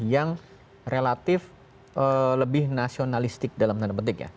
yang relatif lebih nasionalistik dalam tanda petik ya